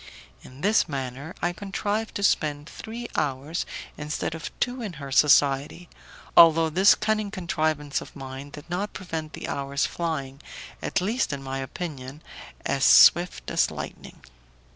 In this manner I contrived to spend three hours instead of two in her society, although this cunning contrivance of mine did not prevent the hours flying, at least in my opinion, as swift as lightning.